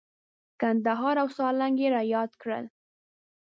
کندهار او سالنګ یې را یاد کړل.